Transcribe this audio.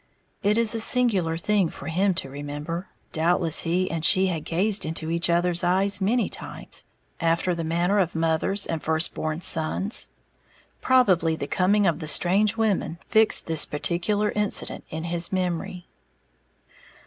It is a singular thing for him to remember doubtless he and she had gazed into each other's eyes many times, after the manner of mothers and firstborn sons probably the coming of the strange women fixed this particular incident in his memory.